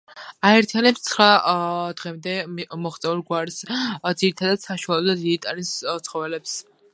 აერთიანებს ცხრა დღემდე მოღწეულ გვარს, ძირითადად საშუალო და დიდი ტანის ცხოველებს.